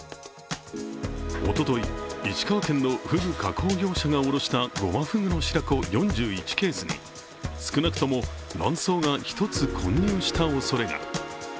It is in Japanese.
おととい、石川県のフグ加工業者が卸したゴマフグの白子４１ケースに少なくとも卵巣が１つ混入したおそれが。